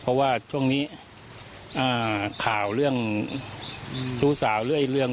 เพราะว่าช่วงนี้ข่าวเรื่องชู้สาวเรื่อยเรื่อง